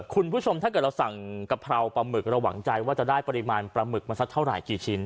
คุณผู้ชมถ้าเกิดเราสั่งกะเพราปลาหมึกเราหวังใจว่าจะได้ปริมาณปลาหมึกมาสักเท่าไหร่กี่ชิ้น